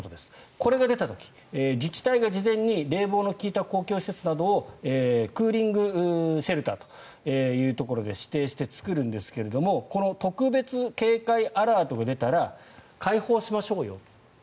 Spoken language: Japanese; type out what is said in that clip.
これが出た時、自治体が事前に冷房の利いた公共施設などをクーリングシェルターというところで指定して作るんですがこの特別警戒アラートが出たら開放しましょうよ